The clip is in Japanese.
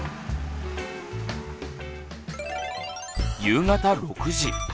夕方６時。